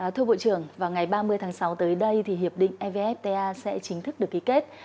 thưa bộ trưởng vào ngày ba mươi tháng sáu tới đây thì hiệp định evfta sẽ chính thức được ký kết